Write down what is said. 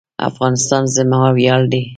افغانستان زما ویاړ دی؟